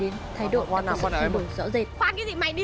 này báo công an đi nhé